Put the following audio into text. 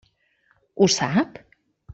Ho sap?